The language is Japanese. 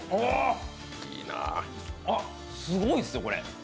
あっ、すごいっすよ、これ。